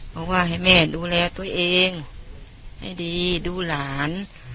เพราะว่าให้แม่ดูแลตัวเองให้ดีดูหลาน